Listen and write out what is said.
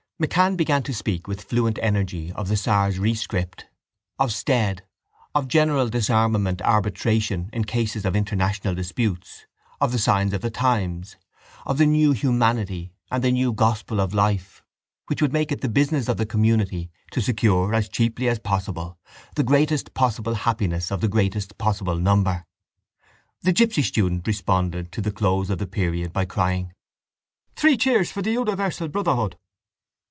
MacCann began to speak with fluent energy of the Tsar's rescript, of Stead, of general disarmament, arbitration in cases of international disputes, of the signs of the times, of the new humanity and the new gospel of life which would make it the business of the community to secure as cheaply as possible the greatest possible happiness of the greatest possible number. The gipsy student responded to the close of the period by crying: —Three cheers for universal brotherhood!